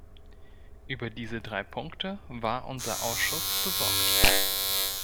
Über diese drei Punkte war unser Ausschuss besorgt.